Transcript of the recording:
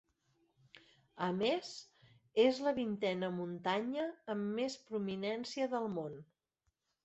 A més, és la vintena muntanya amb més prominència del món.